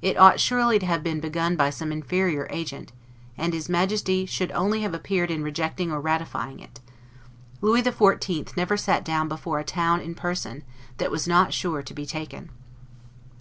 It ought surely to have been begun by some inferior agent, and his Majesty should only have appeared in rejecting or ratifying it. Louis XIV. never sat down before a town in person, that was not sure to be taken.